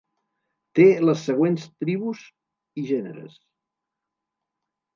Té les següents tribus i gèneres.